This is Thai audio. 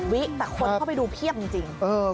แต่คนเข้าไปดูเพียบจริง